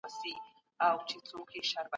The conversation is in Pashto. د نورو سياسي ډلو د نفوذ مخنيوی مه کوئ.